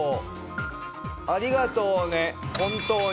ありがとうね、本当に。